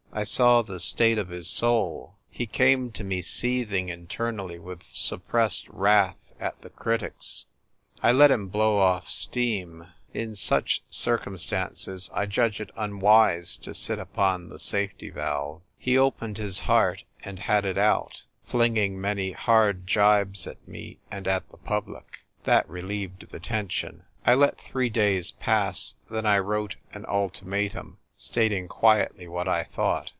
I saw the state of his soul ; he came to me, seething internally with suppressed wrath at the critics. I let him blow off steam ; in such circumstances I judge it unwise to sit upon the safety valve. lie opened his heart and had it out, flinging many hard jibes at me and at the public. That relieved the tension. I let three days pass ; then I wrote an ulti matum, stating quietly what I thought.